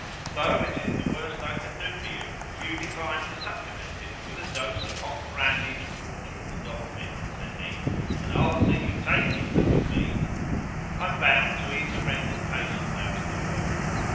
"Though it is the worst I can do for you, if you decline to supplement it with a dose of hot brandy and water at the Dolphin," said he: "and I'll see you take it, if you please. I'm bound to ease a Rendon patient out of the world.